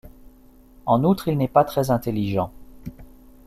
En outre, il n'est pas très intelligent.